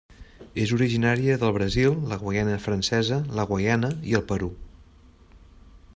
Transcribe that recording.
És originària del Brasil, la Guaiana Francesa, la Guaiana i el Perú.